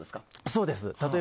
そうです。